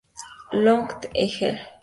Longo et al.